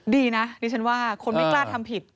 ดีนะดิฉันว่าคนไม่กล้าทำผิด